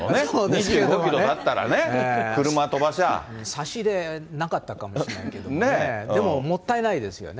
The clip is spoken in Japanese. ２５キロだったらね、さしでなかったかもしれないけどね、でももったいないですよね。